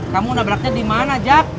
kamu udah beraktif dimana jak